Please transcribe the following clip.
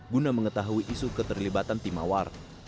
guna mengetahui isu keterlibatan tim mawar